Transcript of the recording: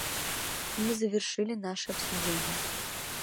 Мы завершили наши обсуждения.